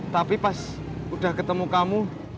tapi pas udah ketemu kamu